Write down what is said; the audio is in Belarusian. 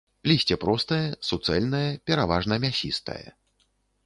Лісце простае, суцэльнае, пераважна мясістае.